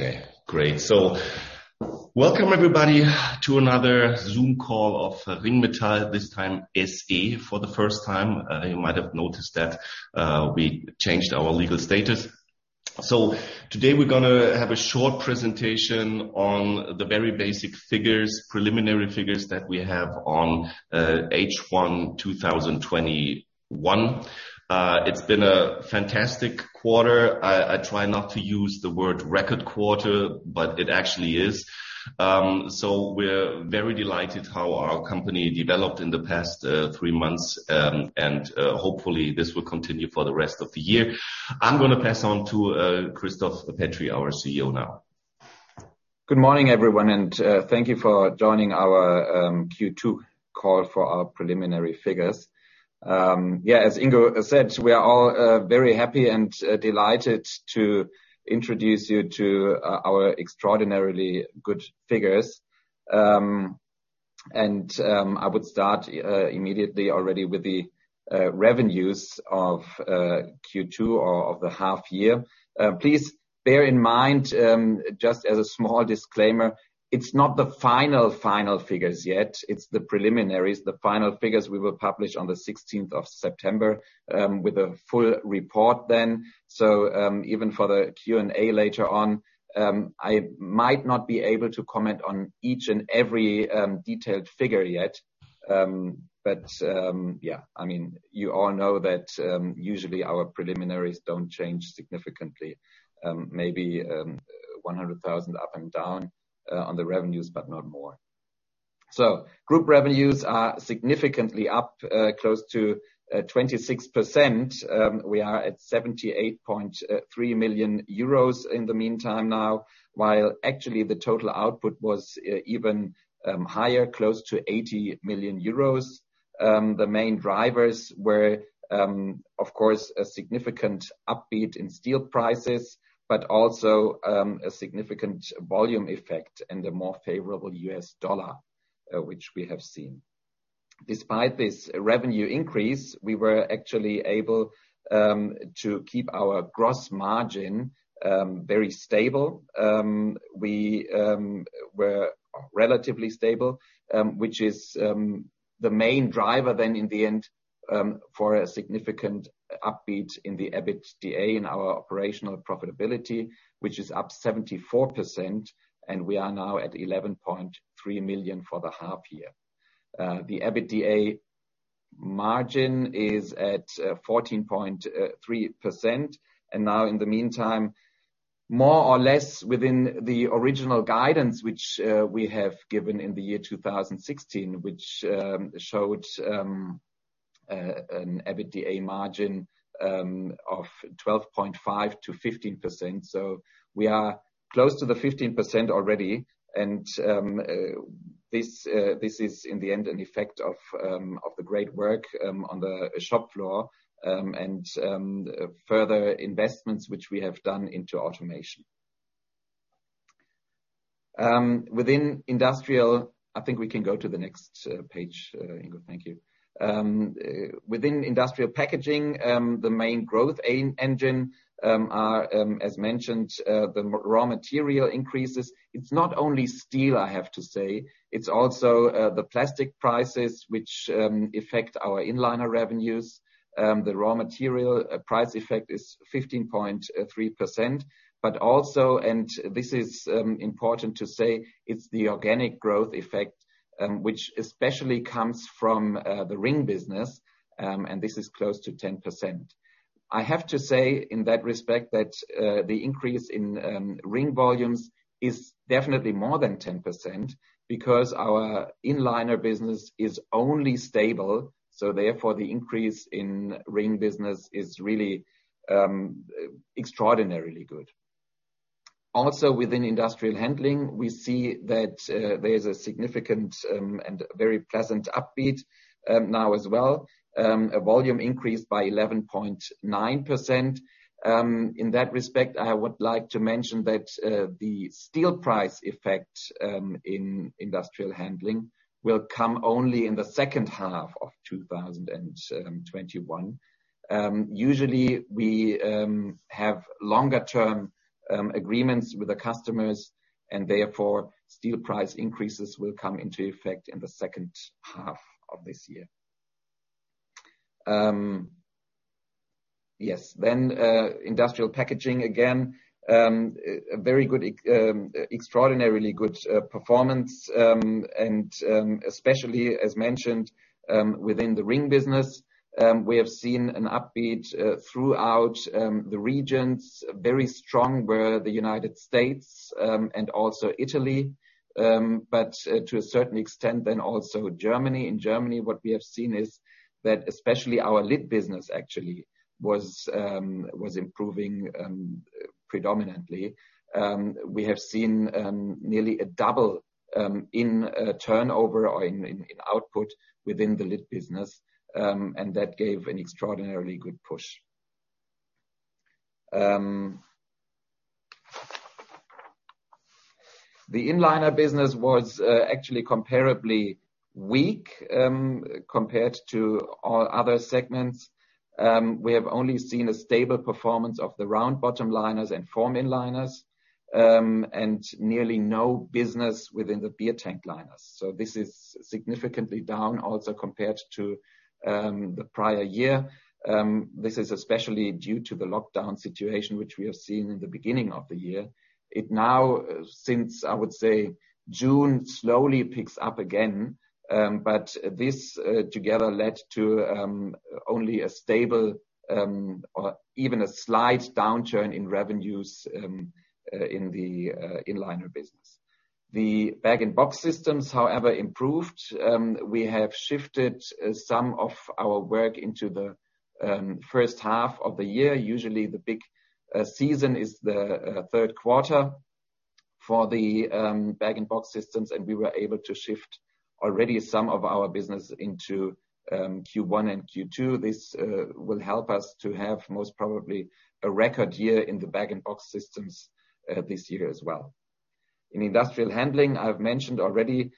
Okay, great. Welcome everybody to another Zoom call of Ringmetall. This time, SE for the first time. You might have noticed that we changed our legal status. Today we're going to have a short presentation on the very basic figures, preliminary figures that we have on H1 2021. It's been a fantastic quarter. I try not to use the word record quarter, but it actually is. We're very delighted how our company developed in the past three months, and hopefully this will continue for the rest of the year. I'm going to pass on to Christoph Petri, our CEO now. Good morning, everyone. Thank you for joining our Q2 call for our preliminary figures. As Ingo said, we are all very happy and delighted to introduce you to our extraordinarily good figures. I would start immediately already with the revenues of Q2 or of the half year. Please bear in mind, just as a small disclaimer, it's not the final figures yet. It's the preliminaries. The final figures we will publish on the 16th of September, with a full report then. Even for the Q&A later on, I might not be able to comment on each and every detailed figure yet. You all know that usually our preliminaries don't change significantly. Maybe 100,000 up and down on the revenues, but not more. Group revenues are significantly up, close to 26%. We are at 78.3 million euros in the meantime now, while actually the total output was even higher, close to 80 million euros. The main drivers were, of course, a significant upbeat in steel prices, but also a significant volume effect and a more favorable U.S. dollar, which we have seen. Despite this revenue increase, we were actually able to keep our gross margin very stable. We were relatively stable, which is the main driver then in the end for a significant upbeat in the EBITDA in our operational profitability, which is up 74%, and we are now at 11.3 million for the half year. The EBITDA margin is at 14.3%, and now in the meantime, more or less within the original guidance which we have given in the year 2016, which showed an EBITDA margin of 12.5%-15%. We are close to the 15% already. This is in the end an effect of the great work on the shop floor and further investments which we have done into automation. Within industrial, I think we can go to the next page, Ingo. Thank you. Within industrial packaging, the main growth engine are, as mentioned, the raw material increases. It's not only steel, I have to say. It's also the plastic prices which affect our Inliner revenues. The raw material price effect is 15.3%. Also, and this is important to say, it's the organic growth effect, which especially comes from the ring business. This is close to 10%. I have to say in that respect that the increase in ring volumes is definitely more than 10%, because our Inliner business is only stable. Therefore the increase in ring business is really extraordinarily good. Also within industrial handling, we see that there is a significant and very pleasant upbeat now as well, a volume increase by 11.9%. In that respect, I would like to mention that the steel price effect in industrial handling will come only in the second half of 2021. Usually, we have longer term agreements with the customers, and therefore steel price increases will come into effect in the second half of this year. Yes. Industrial packaging, again, extraordinarily good performance, and especially as mentioned within the ring business. We have seen an upbeat throughout the regions. Very strong were the U.S., and also Italy, but to a certain extent then also Germany. In Germany, what we have seen is that especially our lid business actually was improving predominantly. We have seen nearly a double in turnover or in output within the lid business. That gave an extraordinarily good push. The Inliner business was actually comparably weak, compared to our other segments. We have only seen a stable performance of the round bottom liners and form inliners, nearly no business within the beer tank liners. This is significantly down also compared to the prior year. This is especially due to the lockdown situation, which we have seen in the beginning of the year. It now, since, I would say, June, slowly picks up again. This together led to only a stable or even a slight downturn in revenues in the Inliner business. The Bag-in-Box Systems, however, improved. We have shifted some of our work into the first half of the year. Usually, the big season is the third quarter for the Bag-in-Box Systems, and we were able to shift already some of our business into Q1 and Q2. This will help us to have most probably a record year in the Bag-in-Box Systems this year as well. In Industrial Handling, I've mentioned already,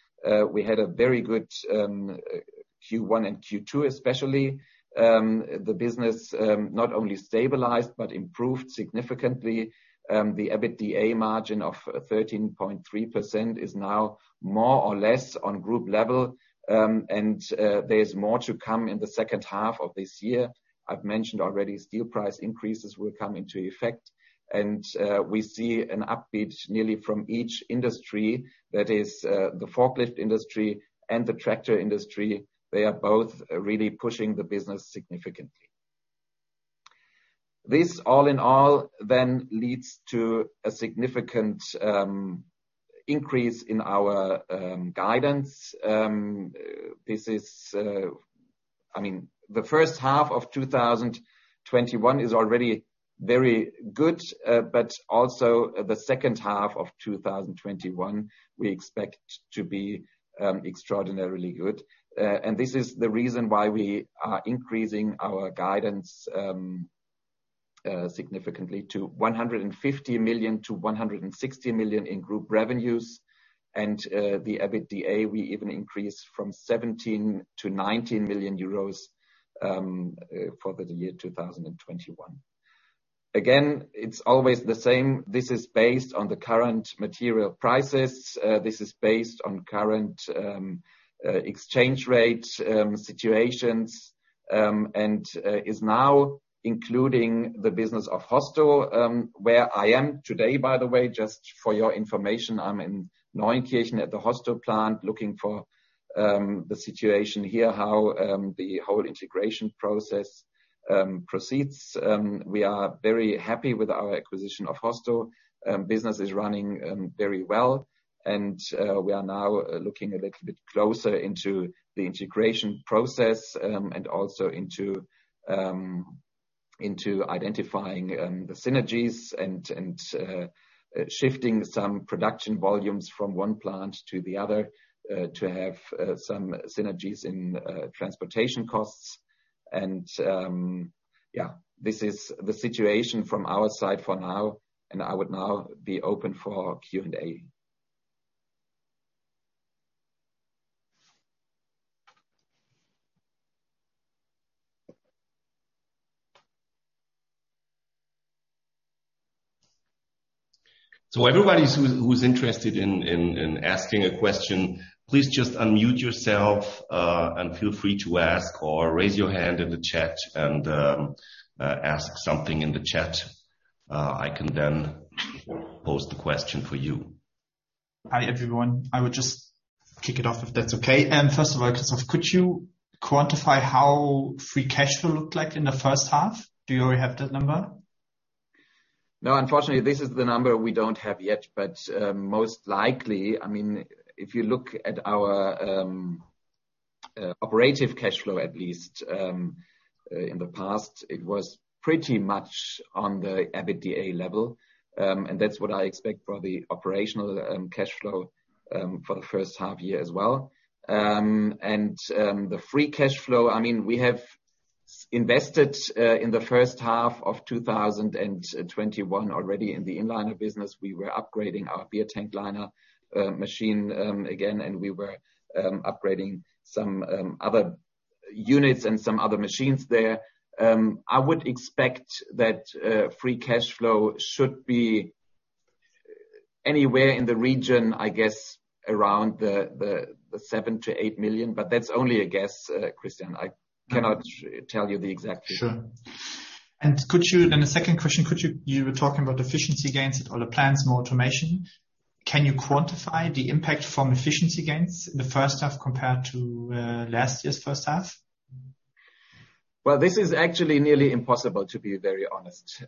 we had a very good Q1 and Q2 especially. The business not only stabilized but improved significantly. The EBITDA margin of 13.3% is now more or less on group level. There's more to come in the second half of this year. I've mentioned already, steel price increases will come into effect, and we see an upbeat nearly from each industry, that is the forklift industry and the tractor industry. They are both really pushing the business significantly. This all in all then leads to a significant increase in our guidance. The first half of 2021 is already very good. Also, the second half of 2021, we expect to be extraordinarily good. This is the reason why we are increasing our guidance significantly to 150 million-160 million in group revenues. The EBITDA, we even increased from 17 million-19 million euros for the year 2021. Again, it's always the same. This is based on the current material prices. This is based on current exchange rate situations, and is now including the business of HOSTO, where I am today, by the way. Just for your information, I'm in Neunkirchen at the HOSTO plant looking for the situation here, how the whole integration process proceeds. We are very happy with our acquisition of HOSTO. Business is running very well, and we are now looking a little bit closer into the integration process, and also into identifying the synergies and shifting some production volumes from one plant to the other to have some synergies in transportation costs. This is the situation from our side for now, and I would now be open for Q&A. Everybody who's interested in asking a question, please just unmute yourself, and feel free to ask or raise your hand in the chat and ask something in the chat. I can then pose the question for you. Hi, everyone. I would just kick it off, if that's okay. First of all, Christoph, could you quantify how free cash flow looked like in the first half? Do you already have that number? No, unfortunately, this is the number we don't have yet, but most likely, if you look at our operative cash flow, at least in the past, it was pretty much on the EBITDA level. That's what I expect for the operational cash flow for the first half year as well. The free cash flow, we have invested in the first half of 2021 already in the Inliner business. We were upgrading our beer tank liner machine again, and we were upgrading some other units and some other machines there. I would expect that free cash flow should be anywhere in the region, I guess around the 7 million-8 million, but that's only a guess, Christian. I cannot tell you the exact figure. Sure. Then the second question, you were talking about efficiency gains at all the plants, more automation. Can you quantify the impact from efficiency gains in the first half compared to last year's first half? Well, this is actually nearly impossible, to be very honest.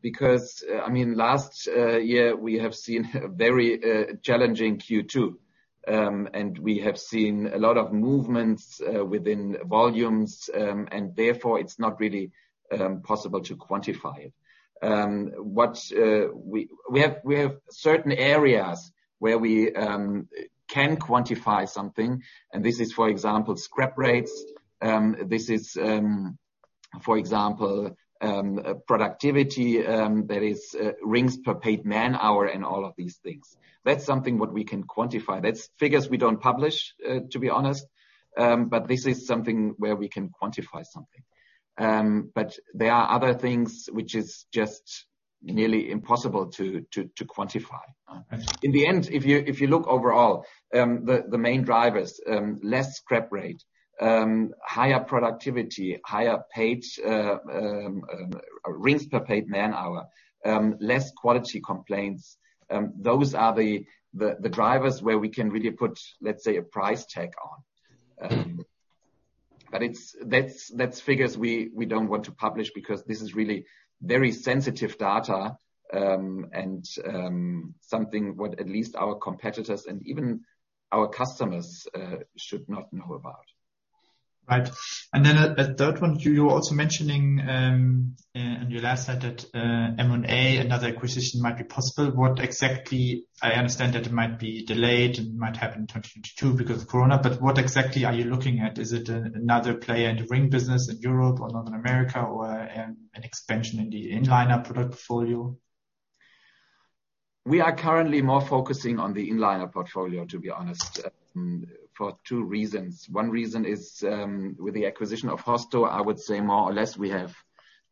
Because last year, we have seen a very challenging Q2. We have seen a lot of movements within volumes, and therefore it's not really possible to quantify it. We have certain areas where we can quantify something, and this is, for example, scrap rates. For example, productivity, that is rings per paid man-hour and all of these things. That's something what we can quantify. That's figures we don't publish, to be honest, but this is something where we can quantify something. There are other things which is just nearly impossible to quantify. I see. In the end, if you look overall, the main drivers, less scrap rate, higher productivity, higher rings per paid man-hour, less quality complaints. Those are the drivers where we can really put, let's say, a price tag on. That's figures we don't want to publish because this is really very sensitive data, and something what at least our competitors and even our customers should not know about. Right. A third one, you were also mentioning in your last slide that M&A, another acquisition might be possible. I understand that it might be delayed and might happen in 2022 because of corona. What exactly are you looking at? Is it another player in the ring business in Europe or North America or an expansion in the Inliner product portfolio? We are currently more focusing on the Inliner portfolio, to be honest, for two reasons. One reason is, with the acquisition of Hosto, I would say more or less we have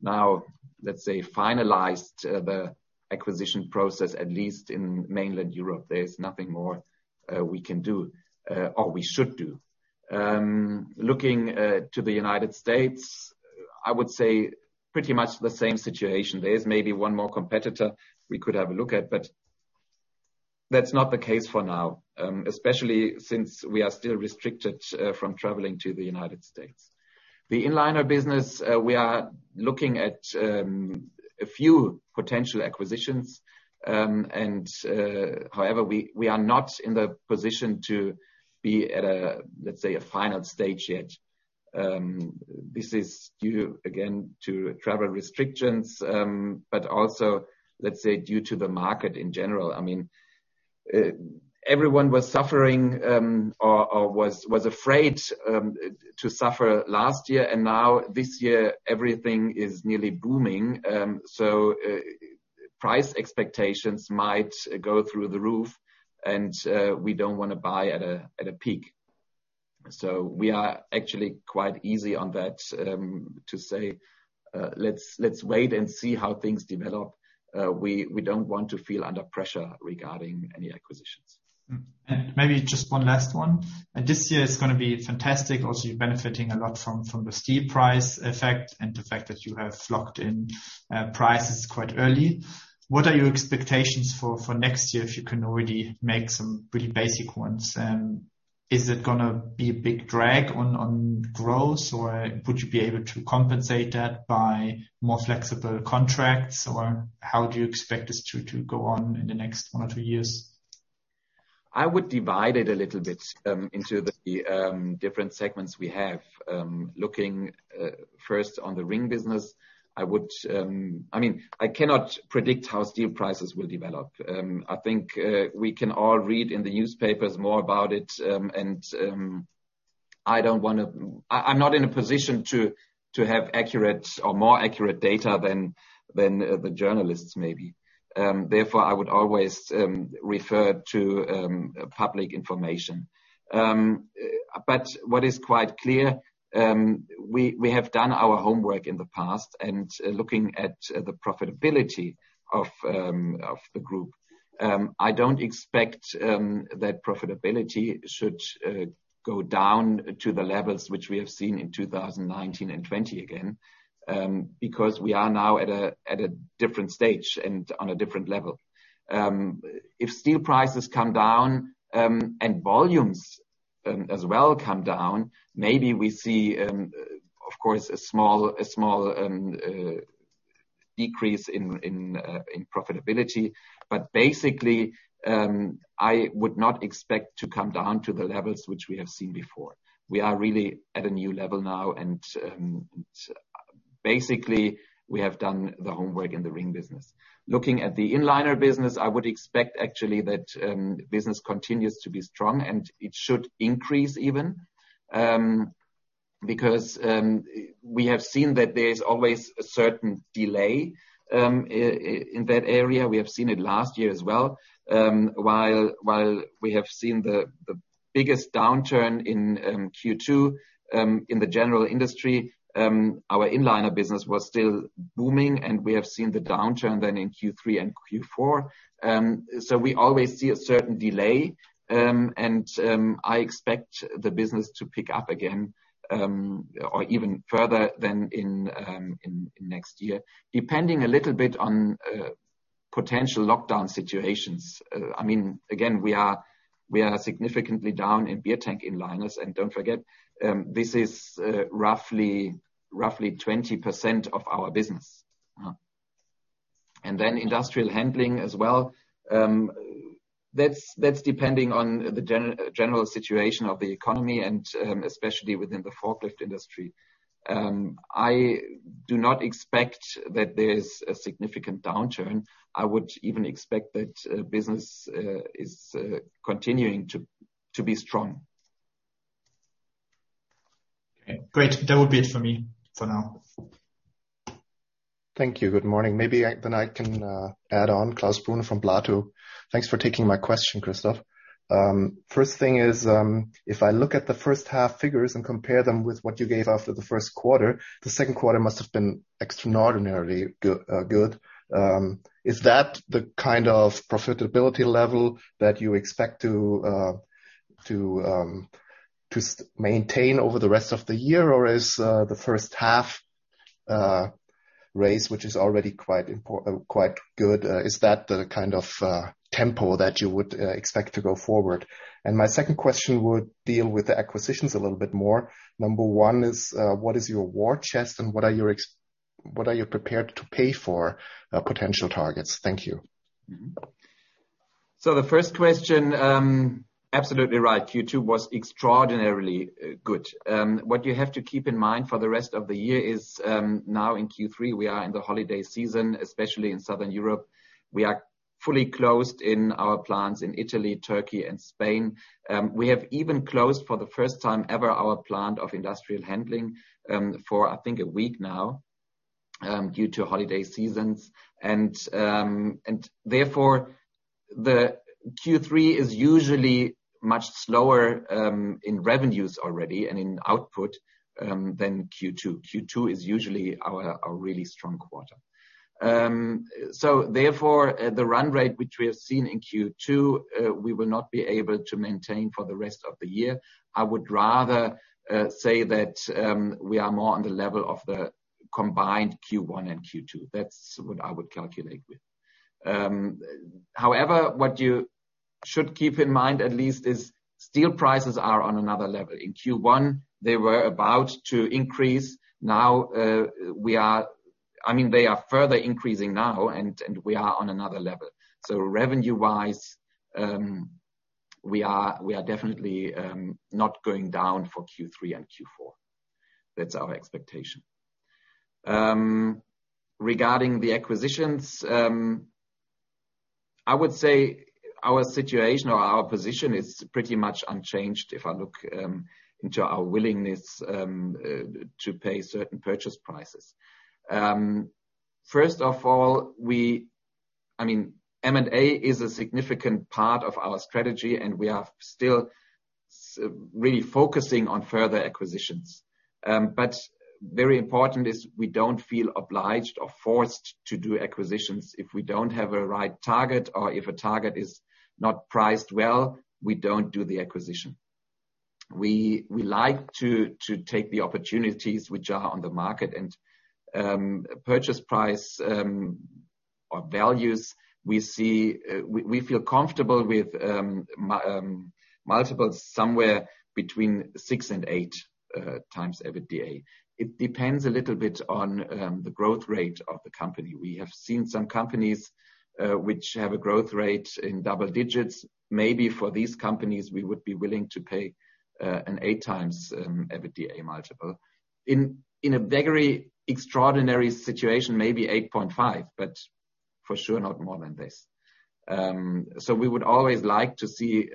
now, let's say, finalized the acquisition process, at least in mainland Europe. There is nothing more we can do or we should do. Looking to the United States, I would say pretty much the same situation. There is maybe one more competitor we could have a look at, but that's not the case for now, especially since we are still restricted from traveling to the United States. The Inliner business, we are looking at a few potential acquisitions. However, we are not in the position to be at a, let's say, a final stage yet. This is due, again, to travel restrictions, but also, let's say, due to the market in general. Everyone was suffering or was afraid to suffer last year, and now this year, everything is nearly booming. Price expectations might go through the roof, and we don't want to buy at a peak. We are actually quite easy on that to say, "Let's wait and see how things develop." We don't want to feel under pressure regarding any acquisitions. Maybe just one last one. This year is going to be fantastic. You're benefiting a lot from the steel price effect and the fact that you have locked in prices quite early. What are your expectations for next year, if you can already make some really basic ones? Is it going to be a big drag on growth, or would you be able to compensate that by more flexible contracts? How do you expect this to go on in the next one or two years? I would divide it a little bit into the different segments we have. Looking first on the ring business, I cannot predict how steel prices will develop. I think we can all read in the newspapers more about it, and I'm not in a position to have accurate or more accurate data than the journalists maybe. Therefore, I would always refer to public information. What is quite clear, we have done our homework in the past and looking at the profitability of the group, I don't expect that profitability should go down to the levels which we have seen in 2019 and 2020 again, because we are now at a different stage and on a different level. If steel prices come down and volumes as well come down, maybe we see, of course, a small decrease in profitability. Basically, I would not expect to come down to the levels which we have seen before. We are really at a new level now, and basically, we have done the homework in the ring business. Looking at the Inliner business, I would expect actually that business continues to be strong, and it should increase even, because we have seen that there is always a certain delay in that area. We have seen it last year as well. While we have seen the biggest downturn in Q2 in the general industry, our Inliner business was still booming, and we have seen the downturn then in Q3 and Q4. We always see a certain delay, and I expect the business to pick up again or even further than in next year, depending a little bit on potential lockdown situations. Again, we are significantly down in beer tank liners. Don't forget, this is roughly 20% of our business. Then industrial handling as well. That's depending on the general situation of the economy and especially within the forklift industry. I do not expect that there's a significant downturn. I would even expect that business is continuing to be strong. Okay, great. That would be it for me for now. Thank you. Good morning. Maybe I can add on Klaus Brunner from Pareto. Thanks for taking my question, Christoph. First thing is, if I look at the first half figures and compare them with what you gave after the first quarter, the second quarter must have been extraordinarily good. Is that the kind of profitability level that you expect to maintain over the rest of the year? Is the first half raise, which is already quite good, is that the kind of tempo that you would expect to go forward? My second question would deal with the acquisitions a little bit more. Number one is, what is your war chest and what are you prepared to pay for potential targets? Thank you. The first question, absolutely right. Q2 was extraordinarily good. What you have to keep in mind for the rest of the year is, now in Q3, we are in the holiday season, especially in Southern Europe. We are fully closed in our plants in Italy, Turkey, and Spain. We have even closed, for the first time ever, our plant of industrial handling for, I think, a week now due to holiday seasons. Therefore, the Q3 is usually much slower in revenues already and in output than Q2. Q2 is usually our really strong quarter. Therefore, the run rate which we have seen in Q2, we will not be able to maintain for the rest of the year. I would rather say that we are more on the level of the combined Q1 and Q2. That's what I would calculate with. However, what you should keep in mind at least is steel prices are on another level. In Q1, they were about to increase. They are further increasing now and we are on another level. Revenue-wise, we are definitely not going down for Q3 and Q4. That's our expectation. Regarding the acquisitions, I would say our situation or our position is pretty much unchanged if I look into our willingness to pay certain purchase prices. First of all, M&A is a significant part of our strategy, and we are still really focusing on further acquisitions. Very important is we don't feel obliged or forced to do acquisitions. If we don't have a right target or if a target is not priced well, we don't do the acquisition. We like to take the opportunities which are on the market and purchase price or values we feel comfortable with multiples somewhere between six and 8x EBITDA. It depends a little bit on the growth rate of the company. We have seen some companies which have a growth rate in double digits. Maybe for these companies, we would be willing to pay an 8 times EBITDA multiple. In a very extraordinary situation, maybe 8.5, but for sure, not more than this. We would always like to see,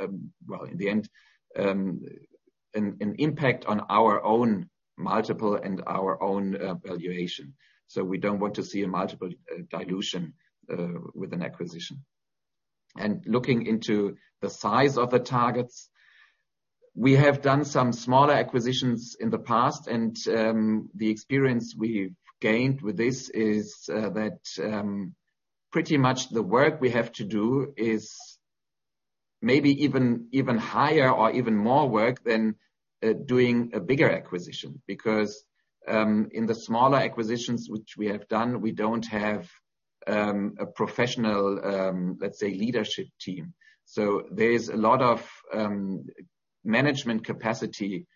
in the end, an impact on our own multiple and our own valuation. We don't want to see a multiple dilution with an acquisition. Looking into the size of the targets, we have done some smaller acquisitions in the past, and the experience we've gained with this is that pretty much the work we have to do is maybe even higher or even more work than doing a bigger acquisition. Because in the smaller acquisitions which we have done, we don't have a professional leadership team. There is a lot of management capacity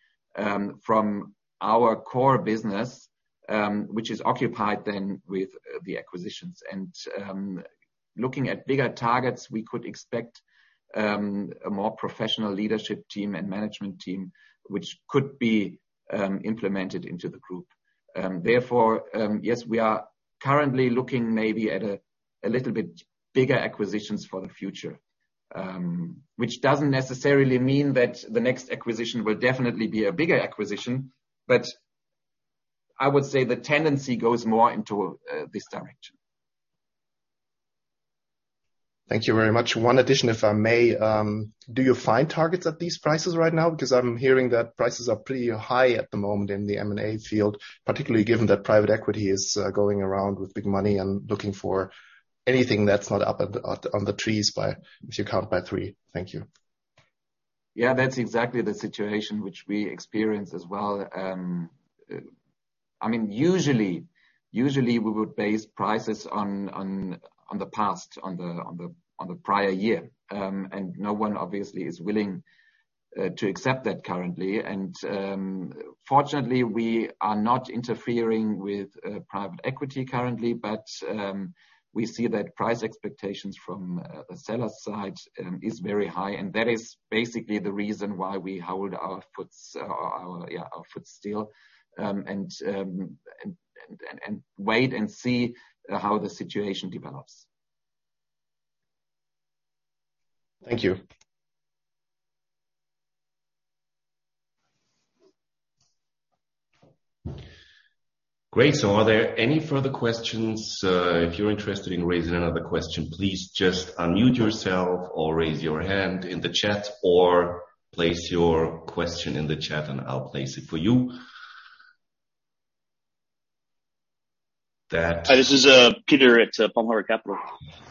from our core business, which is occupied then with the acquisitions. Looking at bigger targets, we could expect a more professional leadership team and management team, which could be implemented into the group. Therefore, yes, we are currently looking maybe at a little bit bigger acquisitions for the future, which doesn't necessarily mean that the next acquisition will definitely be a bigger acquisition. I would say the tendency goes more into this direction. Thank you very much. One addition, if I may. Do you find targets at these prices right now? I'm hearing that prices are pretty high at the moment in the M&A field, particularly given that private equity is going around with big money and looking for anything that's not up on the trees, if you count by three. Thank you. Yeah, that's exactly the situation which we experience as well. Usually, we would base prices on the past, on the prior year. No one obviously is willing to accept that currently. Fortunately, we are not interfering with private equity currently, but we see that price expectations from the seller side is very high, and that is basically the reason why we hold our foot still and wait and see how the situation develops. Thank you. Great. Are there any further questions? If you're interested in raising another question, please just unmute yourself or raise your hand in the chat, or place your question in the chat, and I'll place it for you. Hi, this is Peter at Pareto Capital.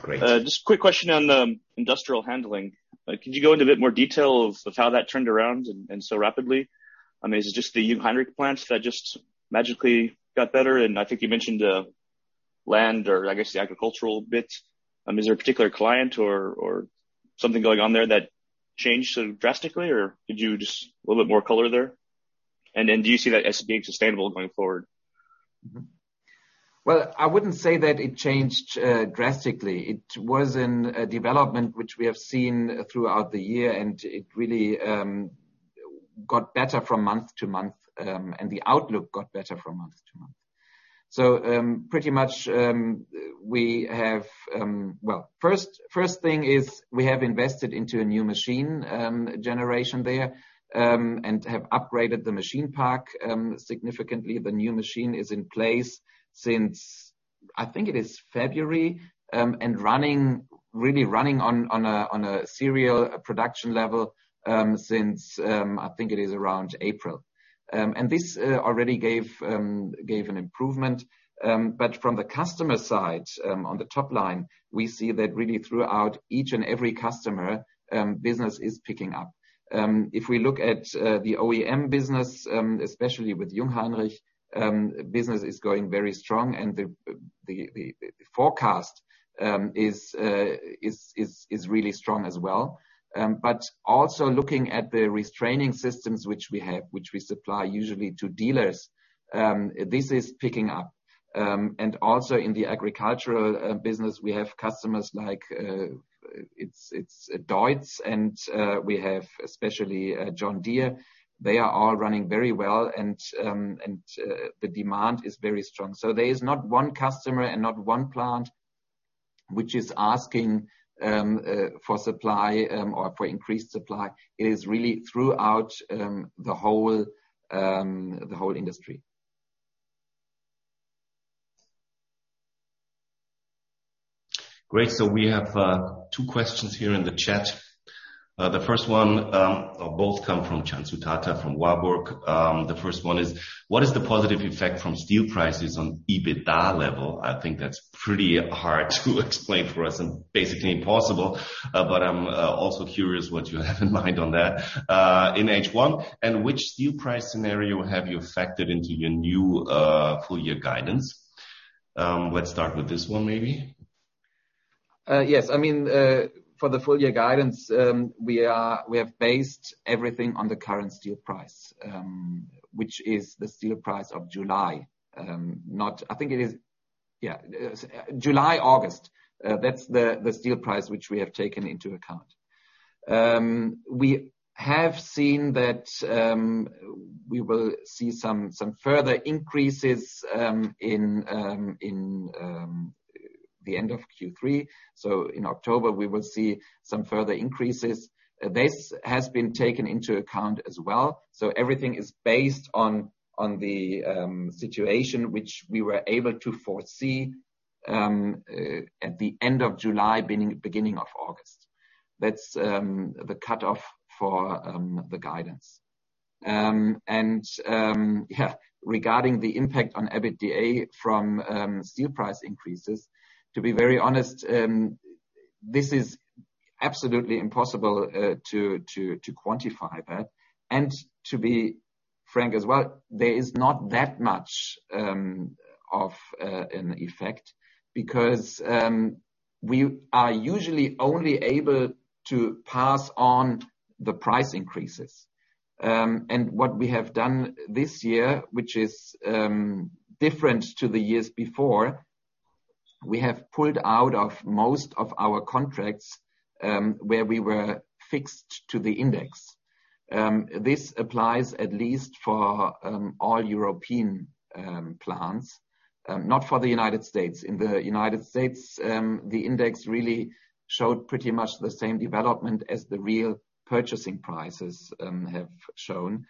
Great. Just a quick question on industrial handling. Could you go into a bit more detail of how that turned around and so rapidly? Is it just the Jungheinrich plants that just magically got better? I think you mentioned land or I guess the agricultural bit. Is there a particular client or something going on there that changed so drastically? Could you just a little bit more color there? Do you see that as being sustainable going forward? Well, I wouldn't say that it changed drastically. It was in a development which we have seen throughout the year, and it really got better from month to month, and the outlook got better from month to month. Pretty much, first thing is we have invested into a new machine generation there, and have upgraded the machine park significantly. The new machine is in place since, I think it is February, and really running on a serial production level since I think it is around April. This already gave an improvement, but from the customer side, on the top line, we see that really throughout each and every customer, business is picking up. If we look at the OEM business, especially with Jungleheinrech, business is going very strong and the forecast is really strong as well. Also looking at the restraining systems which we have, which we supply usually to dealers, this is picking up. Also in the agricultural business, we have customers like Deutz, and we have especially John Deere. They are all running very well and the demand is very strong. There is not 1 customer and not 1 plant which is asking for supply or for increased supply. It is really throughout the whole industry. Great. We have two questions here in the chat. The first one, both come from Cansu Tatar from Warburg. The first one is, what is the positive effect from steel prices on EBITDA level? I think that's pretty hard to explain for us and basically impossible, but I'm also curious what you have in mind on that in H1. Which steel price scenario have you factored into your new full year guidance? Let's start with this one, maybe. Yes. For the full year guidance, we have based everything on the current steel price, which is the steel price of July. I think it is July, August. That's the steel price which we have taken into account. We have seen that we will see some further increases in the end of Q3. In October, we will see some further increases. This has been taken into account as well. Everything is based on the situation which we were able to foresee at the end of July, beginning of August. That's the cutoff for the guidance. Regarding the impact on EBITDA from steel price increases, to be very honest, this is absolutely impossible to quantify that. To be frank as well, there is not that much of an effect because we are usually only able to pass on the price increases. What we have done this year, which is different to the years before, we have pulled out of most of our contracts, where we were fixed to the index. This applies at least for all European plants. Not for the United States. In the United States, the index really showed pretty much the same development as the real purchasing prices have shown.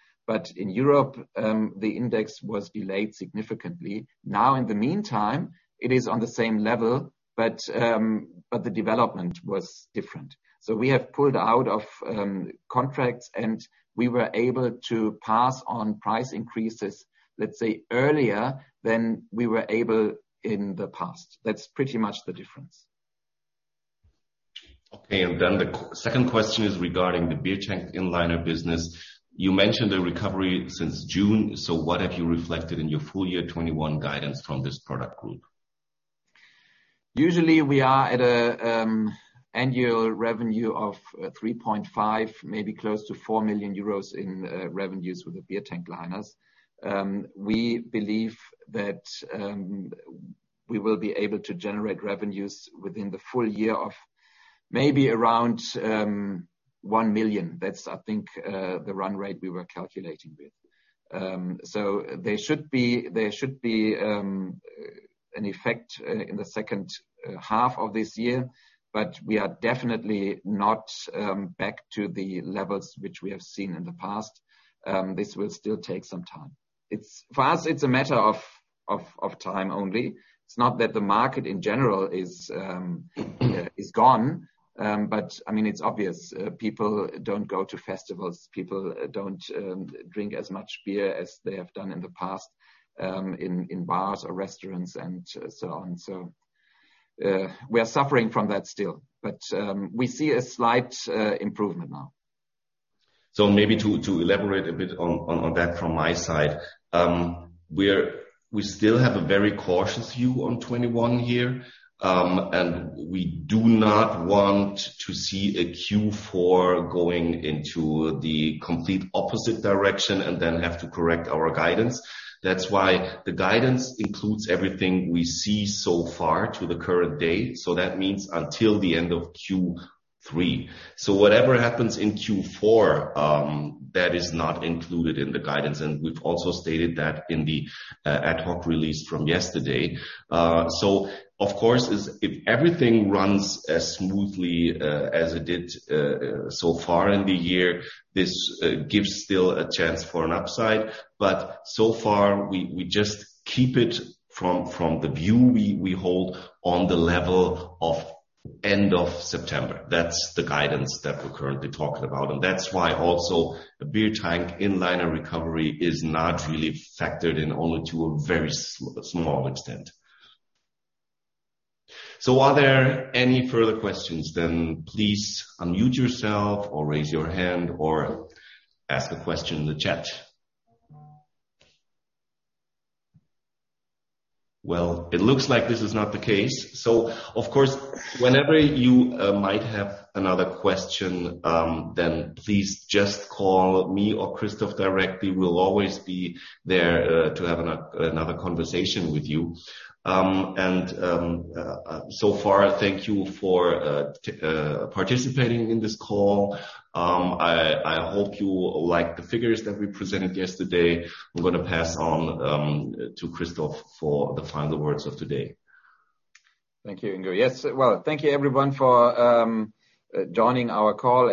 In Europe, the index was delayed significantly. Now, in the meantime, it is on the same level, but the development was different. We have pulled out of contracts and we were able to pass on price increases, let's say, earlier than we were able in the past. That's pretty much the difference. Okay. The second question is regarding the beer tank Inliner business. You mentioned a recovery since June, what have you reflected in your full year 2021 guidance from this product group? Usually, we are at annual revenue of 3.5, maybe close to 4 million euros in revenues with the beer tank liners. We believe that we will be able to generate revenues within the full year of maybe around 1 million. That's, I think, the run rate we were calculating with. There should be an effect in the second half of this year, but we are definitely not back to the levels which we have seen in the past. This will still take some time. For us, it's a matter of time only. It's not that the market in general is gone, but it's obvious people don't go to festivals, people don't drink as much beer as they have done in the past in bars or restaurants and so on. We are suffering from that still. We see a slight improvement now. Maybe to elaborate a bit on that from my side. We still have a very cautious view on 2021 here, and we do not want to see a Q4 going into the complete opposite direction and then have to correct our guidance. That's why the guidance includes everything we see so far to the current date. That means until the end of Q3. Whatever happens in Q4, that is not included in the guidance, and we've also stated that in the ad hoc release from yesterday. Of course, if everything runs as smoothly as it did so far in the year, this gives still a chance for an upside. So far, we just keep it from the view we hold on the level of end of September. That's the guidance that we're currently talking about. That's why also the beer tank inliner recovery is not really factored in, only to a very small extent. Are there any further questions? Please unmute yourself or raise your hand or ask a question in the chat. Well, it looks like this is not the case. Of course, whenever you might have another question, please just call me or Christoph directly. We'll always be there to have another conversation with you. Far, thank you for participating in this call. I hope you like the figures that we presented yesterday. I'm going to pass on to Christoph for the final words of today. Thank you, Ingo. Yes. Well, thank you everyone for joining our call.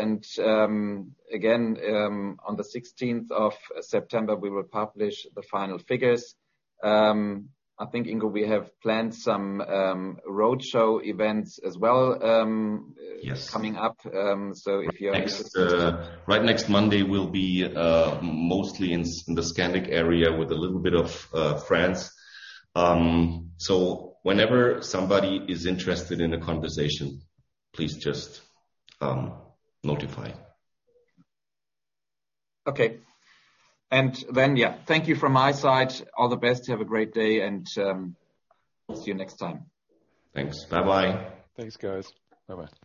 Again, on the 16th of September, we will publish the final figures. I think, Ingo, we have planned some road show events as well. Yes coming up. Right next Monday, we'll be mostly in the Scandinavian area with a little bit of France. Whenever somebody is interested in a conversation, please just notify. Okay. Yeah, thank you from my side. All the best. Have a great day and we'll see you next time. Thanks. Bye bye. Thanks, guys. Bye bye.